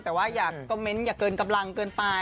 แต่ว่าอย่าคอมเมนต์อย่าเกินกำลังเกินไป